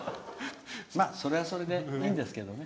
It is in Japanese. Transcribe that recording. それはそれでいいんですけどね。